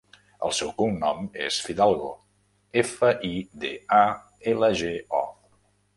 El seu cognom és Fidalgo: efa, i, de, a, ela, ge, o.